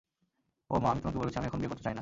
ও মা, আমি তোমাকে বলেছি, আমি এখন বিয়ে করতে চাই না।